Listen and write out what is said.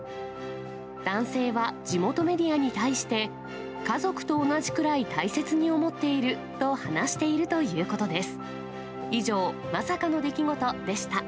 男性は地元メディアに対して、家族と同じくらい大切に思っていると話しているということです。